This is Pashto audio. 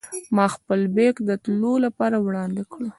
ما خپل بېک د تللو لپاره وړاندې کړ.